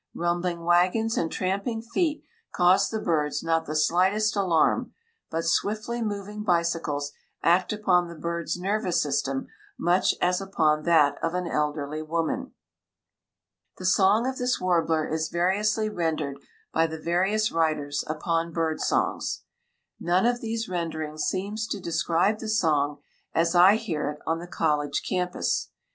Rumbling wagons and tramping feet cause the birds not the slightest alarm, but swiftly moving bicycles act upon the birds' nervous system much as upon that of an elderly woman. The song of this warbler is variously rendered by the various writers upon bird songs. None of these renderings seems to describe the song as I hear it on the college campus.